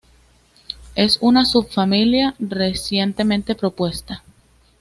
Es una subfamilia recientemente propuesta.